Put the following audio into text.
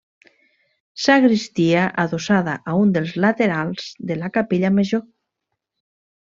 Sagristia, adossada a un dels laterals de la capella major.